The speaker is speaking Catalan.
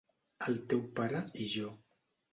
El teu pare i jo.